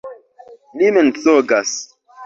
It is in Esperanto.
Li mensogas!